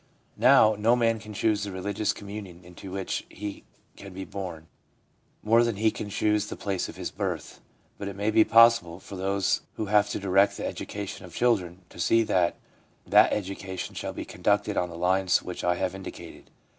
' Now, no man can choose the religious communion into which he can be born, more than he can choose the place of his birth. But it may be possible, for those who have to direct the education of children, to see that that education shall be conducted on the lines which I have indicated.